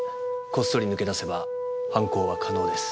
こっそり抜け出せば犯行は可能です。